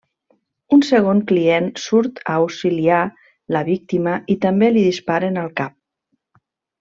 Un segon client surt a auxiliar la víctima i també li disparen al cap.